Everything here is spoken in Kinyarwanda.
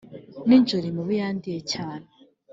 Ninjoro imibu yandiye cyane